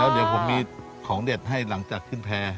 เดี๋ยวผมมีของเด็ดให้หลังจากขึ้นแพร่